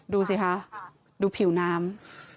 ดูสิคะดูผิวน้ำ